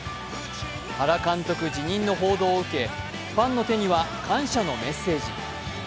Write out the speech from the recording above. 原監督辞任の報道を受けファンの手には感謝のメッセージ。